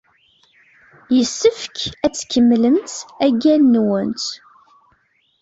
Yessefk ad tkemmlemt agal-nwent.